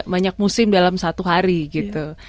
banyak musim dalam satu hari gitu